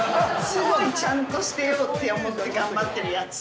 すごいちゃんとしていようって思って、頑張ってるやつ。